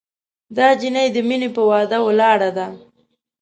دا جینۍ د مینې پهٔ وعدو ولاړه ده